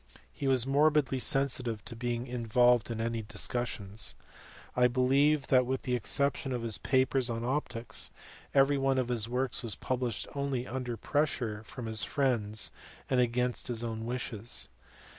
He was morbidly sensitive to being in volved in any discussions. I believe that, with the exception of his papers on optics, every one of his works was published only under pressure from his friends and against his own wishes.